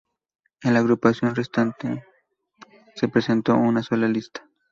En la agrupación restante se presentó una sola lista.